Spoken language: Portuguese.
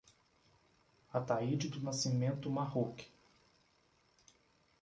Ataide do Nascimento Marruch